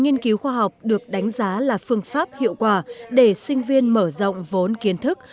nghiên cứu khoa học được đánh giá là phương pháp hiệu quả để sinh viên mở rộng vốn kiến thức